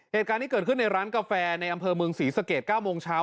เหตุการณ์นี้เกิดขึ้นในร้านกาแฟในอำเภอเมืองศรีสะเกด๙โมงเช้า